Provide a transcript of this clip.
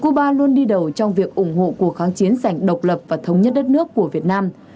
cuba luôn đi đầu trong việc ủng hộ cuộc kháng chiến sảnh độc lập và thống nhất đất nước của việt nam